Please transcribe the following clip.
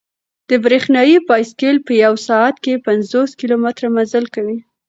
دا برېښنايي بایسکل په یوه ساعت کې پنځوس کیلومتره مزل کوي.